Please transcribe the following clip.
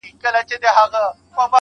o چي تابه وكړې راته ښې خبري.